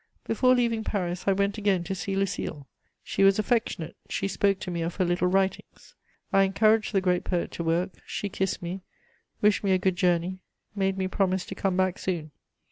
Before leaving Paris I went again to see Lucile. She was affectionate; she spoke to me of her little writings. I encouraged the great poet to work; she kissed me, wished me a good journey, made me promise to come back soon.